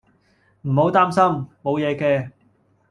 唔好擔心，無嘢嘅